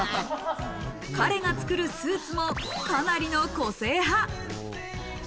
彼が作るスーツもかなりの個性派。